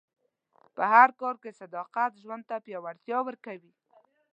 په هر کار کې صداقت ژوند ته پیاوړتیا ورکوي.